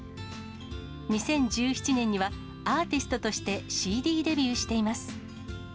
２０１７年にはアーティストとしてＣＤデビューしています。